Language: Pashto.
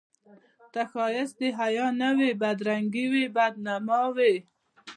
ته ښایست د حیا نه وې بدرنګي وې بد نما وې